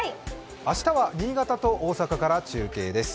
明日は新潟と大阪から中継です。